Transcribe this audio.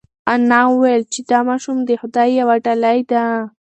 انا وویل چې دا ماشوم د خدای یوه ډالۍ ده.